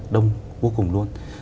đông vô cùng luôn